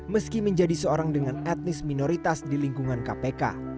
meski menjadi seorang dengan etnis minoritas di lingkungan kpk